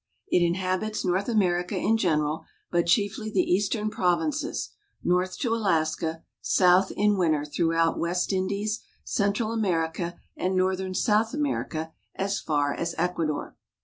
It inhabits North America in general, but chiefly the eastern provinces; north to Alaska, south in winter throughout West Indies, Central America, and northern South America as far as Ecuador.